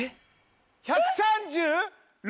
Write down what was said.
１３６！